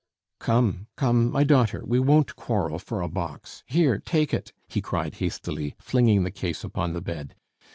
"Come, come, my daughter, we won't quarrel for a box! Here, take it!" he cried hastily, flinging the case upon the bed.